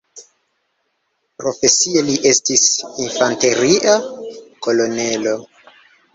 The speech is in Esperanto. Profesie li estis infanteria kolonelo.